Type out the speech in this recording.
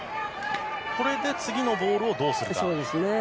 これで次のボールをどうするか。